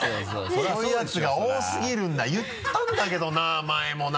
そういうヤツが多すぎるんだ言ったんだけどな前もな。